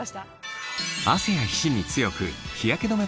汗や皮脂に強く日焼け止め